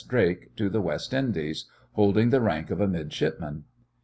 Drake to the West Indies, holding the rank of a midshipman.